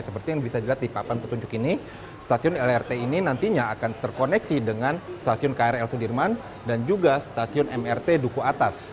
seperti yang bisa dilihat di papan petunjuk ini stasiun lrt ini nantinya akan terkoneksi dengan stasiun krl sudirman dan juga stasiun mrt duku atas